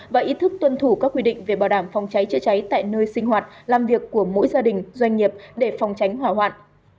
và ý thức tuân thủ các quy định về bảo đảm phòng cháy chữa cháy tại nơi sinh hoạt làm việc của mỗi gia đình doanh nghiệp để phòng tránh hỏa hoạn